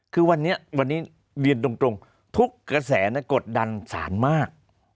คือวันนี้วันนี้เรียนตรงทุกกระแสกดดันสารมาก